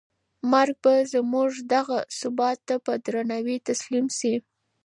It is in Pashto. مرګ به زموږ دغه ثبات ته په درناوي تسلیم شي.